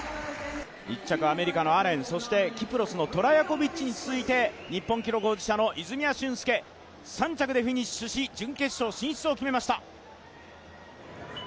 １着アメリカのアレン、キプロスのトラヤコビッチに続いて日本記録保持者の泉谷駿介３着でフィニッシュし、準決勝進出を決めました。